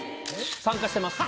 参加してます。